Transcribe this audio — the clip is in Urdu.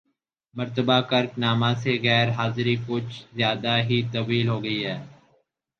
مرتبہ کرک نامہ سے غیر حاضری کچھ زیادہ ہی طویل ہوگئی ہے